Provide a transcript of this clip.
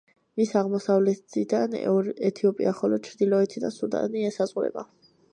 მას აღმოსავლეთიდან ეთიოპია ხოლო ჩრდილოეთიდან სუდანი ესაზღვრება.